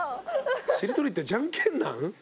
しりとりってじゃんけんなん？